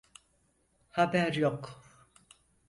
Haber yok.